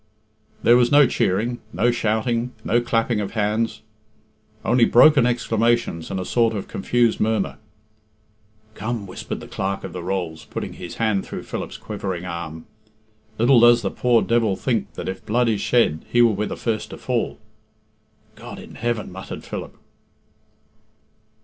There was no cheering, no shouting, no clapping of hands. Only broken exclamations and a sort of confused murmur. "Come," whispered the Clerk of the Rolls, putting his hand through Philip's quivering arm. "Little does the poor devil think that, if blood is shed, he will be the first to fall." "God in heaven!" muttered Philip.